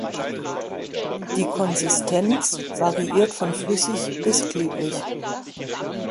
Die Konsistenz variiert von flüssig bis klebrig.